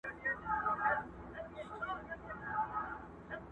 له پردي وطنه ځمه لټوم کور د خپلوانو!.